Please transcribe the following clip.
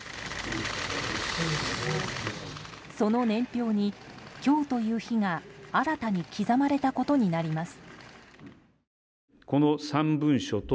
その年表に今日という日が新たに刻まれたことになります。